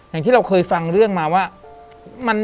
อย่างที่เราเคยฟังเรื่องมาว่า